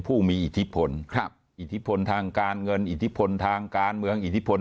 ผู้มีอิทธิพลครับอิทธิพลทางการเงินอิทธิพลทางการเมืองอิทธิพล